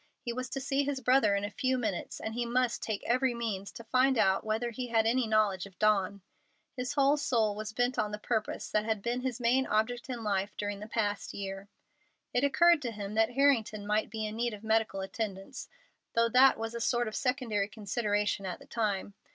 He was to see his brother in a few minutes, and he must take every means to find out whether he had any knowledge of Dawn. His whole soul was bent on the purpose that had been his main object in life during the past year. It occurred to him that Harrington might be in need of medical attendance, though that was a sort of secondary consideration at the time.